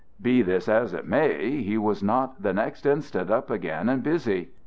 Be this as it may, he was not the next instant up again and busy.